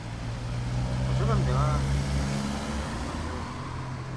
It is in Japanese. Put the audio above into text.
図書館では静かに本を読みましょう。